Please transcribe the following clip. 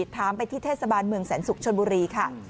ถามไปที่เทศบาลเมืองแสนศุกร์ชนบุรีค่ะ